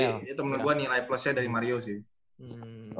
jadi itu menurut gue nilai plusnya dari mario sih